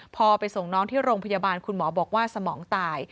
พอไปส่งน้องที่โรงพยาบาลคุณหมอบอกว่าสมองตาย